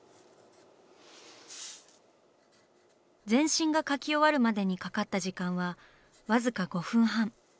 全身が描き終わるまでにかかった時間はわずか５分半。